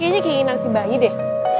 kayaknya keinginan si bayi deh